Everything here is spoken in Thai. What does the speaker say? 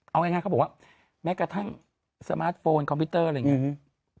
เอาง่ายเขาบอกว่าแม้กระทั่งสมาร์ทโฟนคอมพิวเตอร์อะไรอย่างนี้